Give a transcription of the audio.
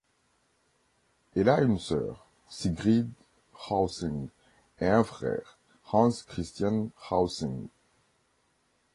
Elle a une soeur, Sigrid Rausing, et un frère, Hans Kristian Rausing.